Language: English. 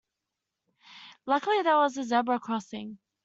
Luckily there was a zebra crossing.